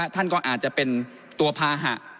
ท่านก็อาจจะเป็นตัวภาหะ